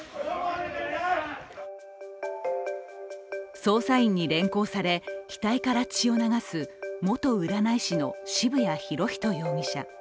捜査員に連行され、額から血を流す元占い師の渋谷博仁容疑者。